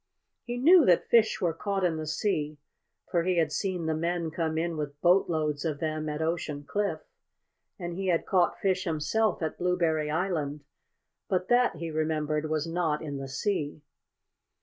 He knew that fish were caught in the sea, for he had seen the men come in with boatloads of them at Ocean Cliff. And he had caught fish himself at Blueberry Island. But that, he remembered, was not in the sea.